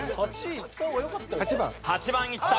８番いった。